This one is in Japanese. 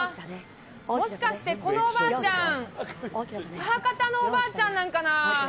もしかして、このおばあちゃん、母方のおばあちゃんなんかな。